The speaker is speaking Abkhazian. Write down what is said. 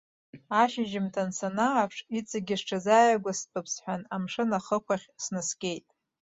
Ашьжьымҭан санааԥш, иҵегьы сҽазааигәастәып сҳәан, амшын ахықә ахь снаскьеит.